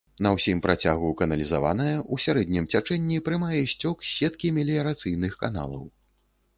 На ўсім працягу каналізаваная, у сярэднім цячэнні прымае сцёк з сеткі меліярацыйных каналаў.